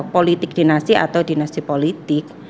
politik dinasi atau dinasi politik